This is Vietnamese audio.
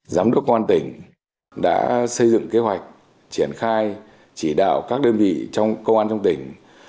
giám đốc công an tỉnh đã xây dựng kế hoạch triển khai chỉ đạo các đơn vị trong công an trong tỉnh